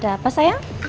ibu mau nunggu